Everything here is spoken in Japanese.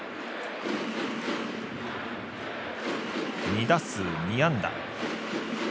２打数２安打。